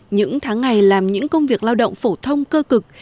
những tháng ngày làm những công việc lao động phổ thông cơ cực